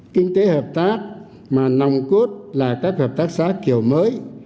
kinh tế hợp tác mà nòng cốt là các hợp tác xã kiểu mới